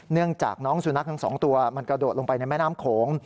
เนื่องจากน้องสุนัขทั้งสองตัวมันกระโดดลงไปในแม่น้ำโขง